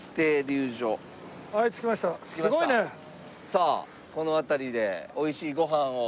さあこの辺りで美味しいご飯を。